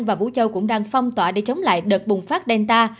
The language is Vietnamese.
và vũ châu cũng đang phong tỏa để chống lại đợt bùng phát delta